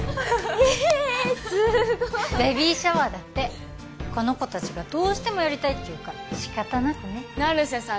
えっすごいベビーシャワーだってこの子たちがどうしてもやりたいっていうから仕方なくね成瀬さん